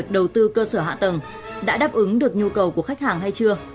đầu tư cơ sở hạ tầng đã đáp ứng được nhu cầu của khách hàng hay chưa